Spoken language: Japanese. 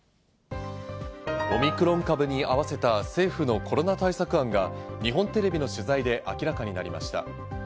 オミクロン株に合わせた政府のコロナ対策案が日本テレビの取材で明らかになりました。